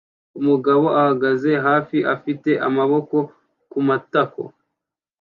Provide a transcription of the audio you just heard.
umugabo ahagaze hafi afite amaboko kumatako